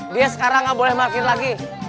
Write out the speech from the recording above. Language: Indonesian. dia sekarang gak boleh market lagi